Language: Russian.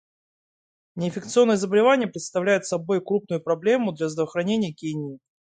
Неинфекционные заболевания представляют собой крупную проблему для здравоохранения Кении.